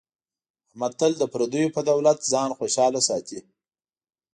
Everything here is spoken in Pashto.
احمد تل د پردیو په دولت ځان خوشحاله ساتي.